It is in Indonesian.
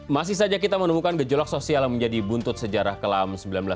masih saja kita menemukan gejolak sosial yang menjadi buntut sejarah kelam seribu sembilan ratus sembilan puluh